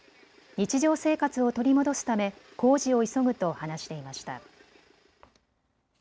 日常生活を取り戻すため工事を急ぐと話していました。